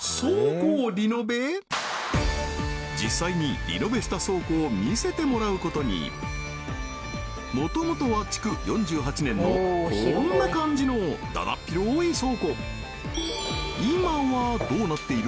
実際にリノベした倉庫を見せてもらうことにもともとは築４８年のこんな感じのだだっ広い